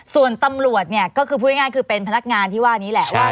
ส่วนตำรวจเนี่ยก็คือผู้ยังงานเป็นพนักงานที่ว่านี่แหละ